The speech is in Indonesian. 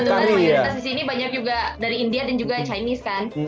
sebenarnya mayoritas di sini banyak juga dari india dan juga chinese kan